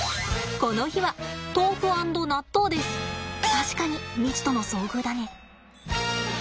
確かに未知との遭遇だね。